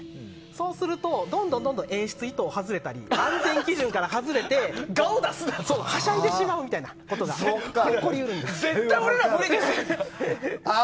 そうすると、どんどん演出意図を外れたり安全基準から外れてはしゃいでしまうということが絶対、俺ら無理ですやん。